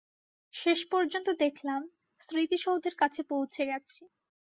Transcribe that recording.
শেষপর্যন্ত দেখলাম স্মৃতিসৌধের কাছে পৌছে গেছি।